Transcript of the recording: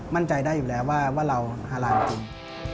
มั่นใจได้อยู่แล้วว่าเราฮาไลน์จริง